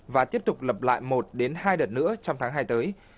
và tiếp tục lập lại một hai đợt nữa trong tháng hai tới